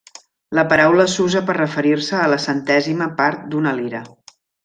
La paraula s'usa per referir-se a la centèsima part d'una lira.